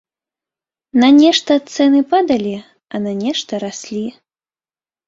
На нешта цэны падалі, а на нешта раслі.